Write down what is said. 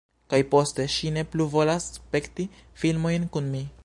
Kaj poste, ŝi ne plu volas spekti filmojn kun mi.